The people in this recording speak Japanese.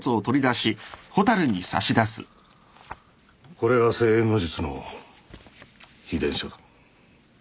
これが生延の術の秘伝書だ。